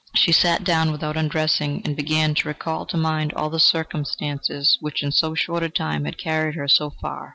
She sat down without undressing, and began to recall to mind all the circumstances which in so short a time had carried her so far.